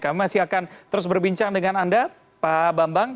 kami masih akan terus berbincang dengan anda pak bambang